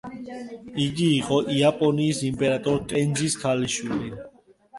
იგი იყო იაპონიის იმპერატორ ტენძის ქალიშვილი.